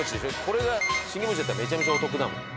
これが信玄餅だったらめちゃめちゃお得だもん。